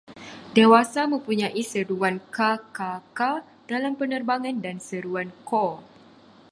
Dewasa mempunyai seruan ka-ka-ka dalam penerbangan dan seruan ko